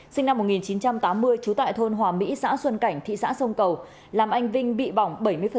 sinh năm một nghìn chín trăm tám mươi trú tại thôn hòa mỹ xã xuân cảnh thị xã sông cầu làm anh vinh bị bỏng bảy mươi